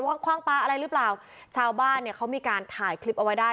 ว่าคว่างปลาอะไรหรือเปล่าชาวบ้านเนี่ยเขามีการถ่ายคลิปเอาไว้ได้